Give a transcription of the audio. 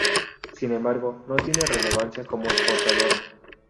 Sin embargo, no tiene relevancia como exportadora.